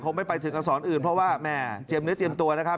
คงไม่ไปถึงอักษรอื่นเพราะว่าแม่เจียมเนื้อเจียมตัวครับ